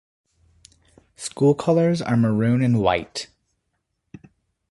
School colors are Maroon and White.